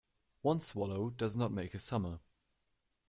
One swallow does not make a summer.